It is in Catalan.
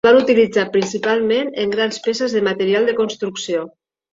Es van utilitzar principalment en grans peces de material de construcció.